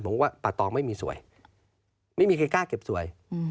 ผมว่าป่าตองไม่มีสวยไม่มีใครกล้าเก็บสวย